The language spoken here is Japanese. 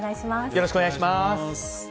よろしくお願いします。